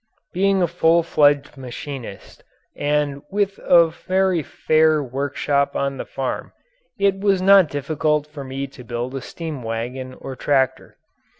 Being a full fledged machinist and with a very fair workshop on the farm it was not difficult for me to build a steam wagon or tractor.